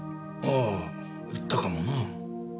あぁ言ったかもな。